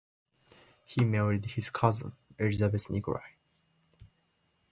He married his cousin Elisabeth Nikolai.